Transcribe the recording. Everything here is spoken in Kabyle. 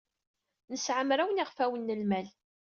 Nesɛa mraw n yiɣfawen n lmal.